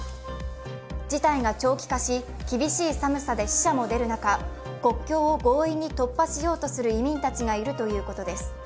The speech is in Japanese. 事態が長期化し、厳しい寒さで死者も出る中国境を強引に突破しようとする移民たちがいるということです。